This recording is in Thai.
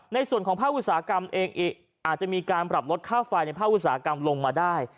ในส่วนของภาคอุตสาหกรรมเองอาจจะมีการปรับลดค่าไฟในภาคอุตสาหกรรมลงมาได้